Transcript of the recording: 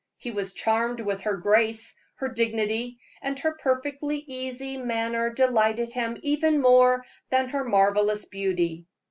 He was charmed with her grace, her dignity; and her perfectly easy manner delighted him even more than her marvelous beauty.